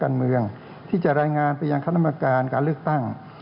พระกันเมืองที่จะรายงานตัวไปอย่างคณะกรรมการการเลือกตั้ง